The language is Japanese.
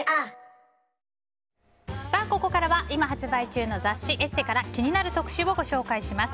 ここからは今発売中の雑誌「ＥＳＳＥ」から気にある特集をご紹介します。